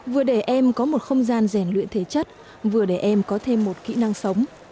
vừa để em có một không gian rèn luyện thể chất vừa để em có thêm một kỹ năng sống